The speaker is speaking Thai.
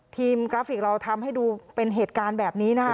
กราฟิกเราทำให้ดูเป็นเหตุการณ์แบบนี้นะคะ